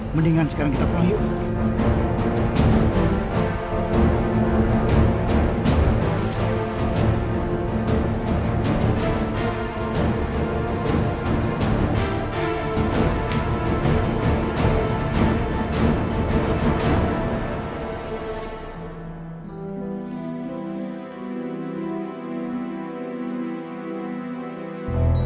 mendingan sekarang kita pulang yuk